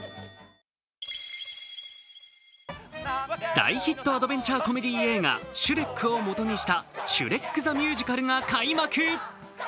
大ヒットアドベンチャーコメディー映画「シュレック」をもとにした「シュレック・ザ・ミュージカル」が開幕。